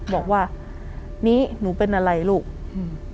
บอกว่านี้หนูเป็นอะไรลูกอืม